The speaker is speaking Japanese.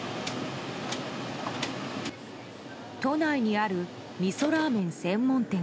都内にあるみそラーメン専門店。